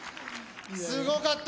すごかった。